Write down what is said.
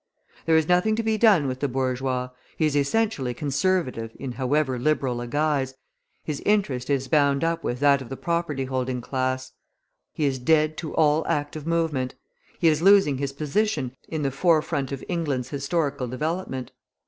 There is nothing to be done with the bourgeois; he is essentially conservative in however liberal a guise, his interest is bound up with that of the property holding class, he is dead to all active movement; he is losing his position in the forefront of England's historical development.